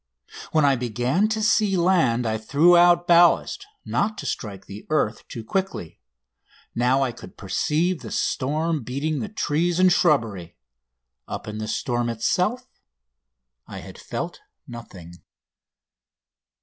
When I began to see land I threw out ballast, not to strike the earth too quickly. Now I could perceive the storm beating the trees and shrubbery. Up in the storm itself I had felt nothing.